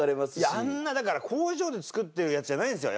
あんなだから工場で作ってるやつじゃないんですよ